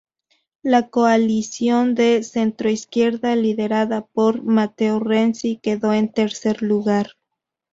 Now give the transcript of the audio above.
La coalición de centroizquierda, liderada por Matteo Renzi, quedó en tercer lugar.